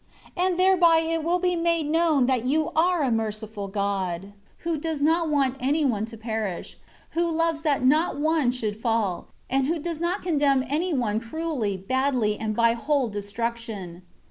5 And thereby it will be made known that You are a merciful God, who does not want anyone to perish; who loves not that one should fall; and who does not condemn any one cruelly, badly, and by whole destruction."